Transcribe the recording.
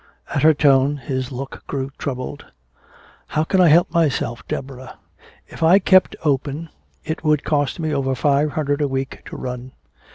At her tone his look grew troubled. "How can I help myself, Deborah? If I kept open it would cost me over five hundred a week to run.